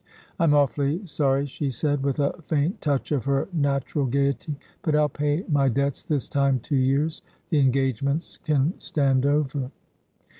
' I'm awfully sorry,' she said, with a faint touch of her natural gaiety, 'but I'll pay my debts this time two years. The engagements can stand over.'